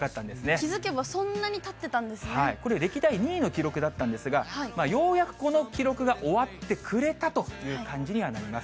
気付けばそんなにたってたんこれ、歴代２位の記録だったんですが、ようやくこの記録が終わってくれたという感じにはなります。